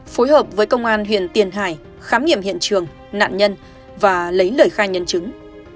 phối hợp với công an huyện tiền hải khám nghiệm hiện trường nạn nhân và lấy lời khai nhân chứng